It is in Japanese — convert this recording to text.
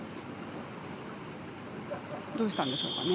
どうしたんでしょうかね。